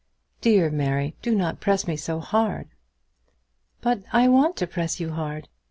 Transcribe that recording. "Dear Mary, do not press me so hard." "But I want to press you hard.